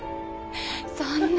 そんな。